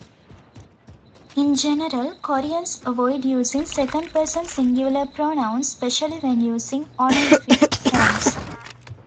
In general, Koreans avoid using second person singular pronouns, especially when using honorific forms.